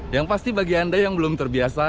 yang pasti bagi anda yang belum terbiasa